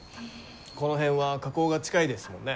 この辺は火口が近いですもんね。